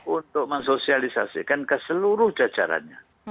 untuk mensosialisasikan ke seluruh jajarannya